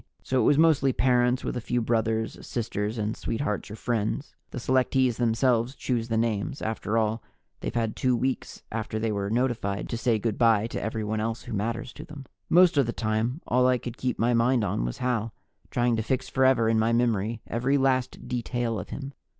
So it was mostly parents, with a few brothers, sisters and sweethearts or friends. The selectees themselves choose the names. After all, they've had two weeks after they were notified to say good by to everyone else who matters to them. Most of the time, all I could keep my mind on was Hal, trying to fix forever in my memory every last detail of him.